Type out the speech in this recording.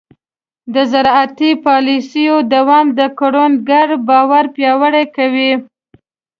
د زراعتي پالیسیو دوام د کروندګر باور پیاوړی کوي.